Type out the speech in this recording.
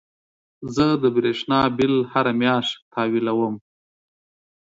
زه د برېښنا بيل هره مياشت تحويل کوم.